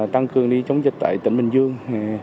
tăng cường đi chống dịch tại tỉnh bình dương